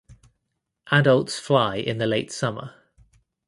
Adults fly in the late summer.